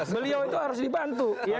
beliau itu harus dibantu